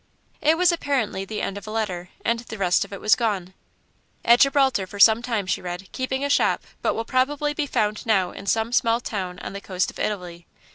It was apparently the end of a letter, and the rest of it was gone. "At Gibraltar for some time," she read, "keeping a shop, but will probably be found now in some small town on the coast of Italy.